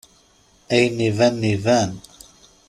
Ayen ibanen iban.